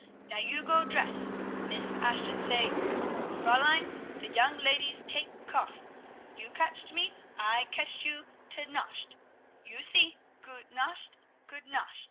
Now you go dress! Miss Ashton say, 'Fräulein, the young ladies tak cough.' You catched me, I catched you to nacht. You see! gute nacht! gute nacht!"